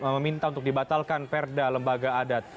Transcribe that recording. meminta untuk dibatalkan perda lembaga adat